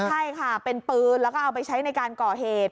ใช่ค่ะเป็นปืนแล้วก็เอาไปใช้ในการก่อเหตุ